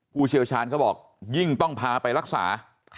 ผู้เชี่ยวชาญเขาบอกยิ่งต้องพาไปรักษา